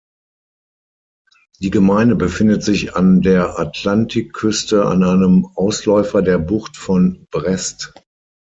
Die Gemeinde befindet sich an der Atlantikküste an einem Ausläufer der Bucht von Brest.